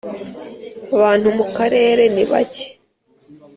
Abantu mu karere nibake.